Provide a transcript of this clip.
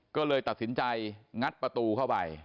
ก็เลยตัดสินใจงัดประตูเข้าไป